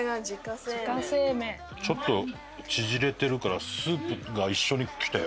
ちょっと縮れてるからスープが一緒にきて。